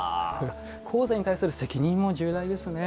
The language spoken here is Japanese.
後世に対する責任も重大ですね。